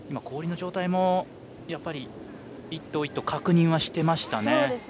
氷の状態もやっぱり、１投１投確認はしていましたね。